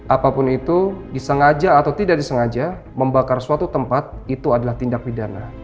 apapun itu disengaja atau tidak disengaja membakar suatu tempat itu adalah tindak pidana